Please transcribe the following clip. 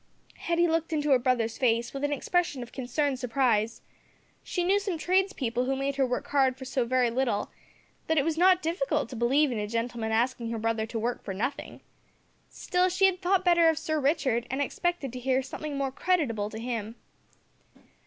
Hetty looked into her brother's face with an expression of concerned surprise. She knew some tradespeople who made her work hard for so very little, that it was not difficult to believe in a gentleman asking her brother to work for nothin'! Still she had thought better of Sir Richard, and expected to hear something more creditable to him.